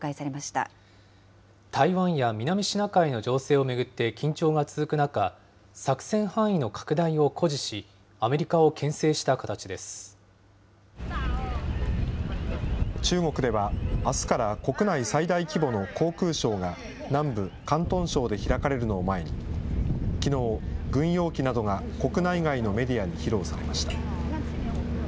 台湾や南シナ海の情勢を巡って緊張が続く中、作戦範囲の拡大を誇示し、アメリカをけん制した中国では、あすから国内最大規模の航空ショーが、南部広東省で開かれるのを前に、きのう軍用機などが国内外のメディアに披露されました。